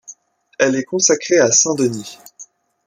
Elle est consacrée à saint Denis.